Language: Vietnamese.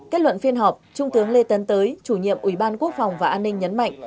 kết luận phiên họp trung tướng lê tấn tới chủ nhiệm ủy ban quốc phòng và an ninh nhấn mạnh